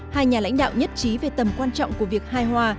hai nhà lãnh đạo nhất trí về tầm quan trọng của việc hài hòa